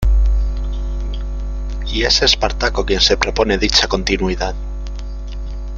Y es Espartaco quien se propone dicha continuidad.